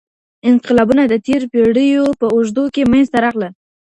انقلابونه د تیرو پیړیو په اوږدو کي منځته راغلل.